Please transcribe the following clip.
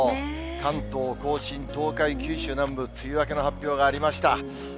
関東甲信、東海、九州南部、梅雨明けの発表がありました。